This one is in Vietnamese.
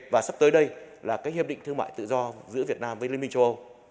và sắp tới đây là các hiệp định thương mại tự do giữa việt nam với liên minh châu âu